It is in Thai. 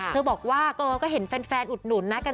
เธอบอกว่าก็เห็นแฟนอุดหนุนนะกัน